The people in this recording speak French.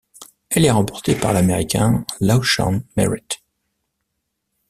Elle est remportée par l'Américain LaShawn Merritt.